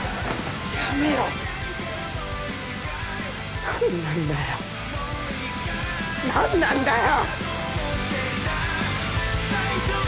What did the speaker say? やめろ何なんだよ何なんだよ！